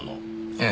ええ。